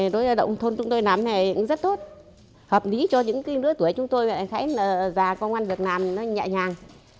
việc làm này rất tốt hợp lý cho những đứa tuổi chúng tôi để thấy là già công an việc làm nó nhẹ nhàng